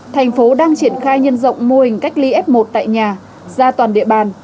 thành phố đang triển khai nhân rộng mô hình cách ly f một tại nhà ra toàn địa bàn